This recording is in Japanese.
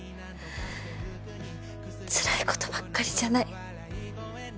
つらいことばっかりじゃない。